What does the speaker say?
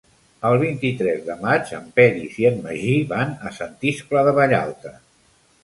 El vint-i-tres de maig en Peris i en Magí van a Sant Iscle de Vallalta.